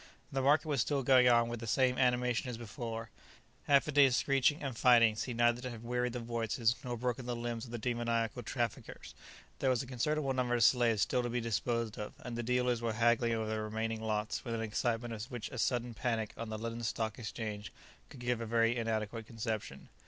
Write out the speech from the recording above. The market was still going on with the same animation as before; half a day's screeching and fighting seemed neither to have wearied the voices nor broken the limbs of the demoniacal traffickers; there was a considerable number of slaves still to be disposed of, and the dealers were haggling over the remaining lots with an excitement of which a sudden panic on the London Stock Exchange could give a very inadequate conception.